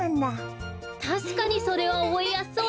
たしかにそれはおぼえやすそうですね。